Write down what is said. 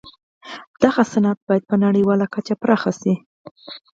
دغه صنعت بايد په نړيواله کچه پراخ شي.